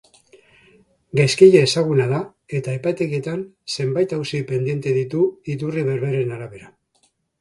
Gaizkile ezaguna da eta epaitegietan zenbait auzi pendiente ditum iturri berberen arabera.